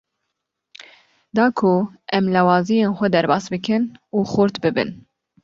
Da ku em lawaziyên xwe derbas bikin û xurt bibin.